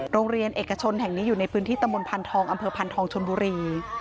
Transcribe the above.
โรงเรียนเอกชนแห่งนี้อยู่ในพื้นที่ตำบลพันธองอำเภอพันธองชนบุรี